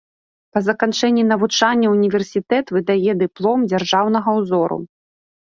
Па заканчэнні навучання ўніверсітэт выдае дыплом дзяржаўнага ўзору.